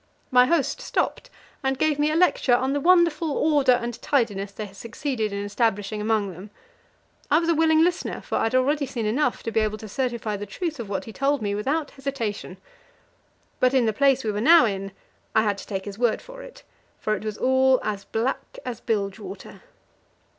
My host stopped and gave me a lecture on the wonderful order and tidiness they had succeeded in establishing among them. I was a willing listener, for I had already seen enough to be able to certify the truth of what he told me without hesitation. But in the place we were now in, I had to take his word for it, for it was all as black as bilge water.